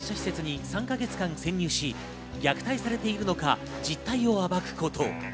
高齢者施設に３か月間潜入し、虐待されているのか実態を暴くこと。